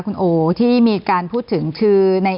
คุณโอที่มีการพูดถึงคือ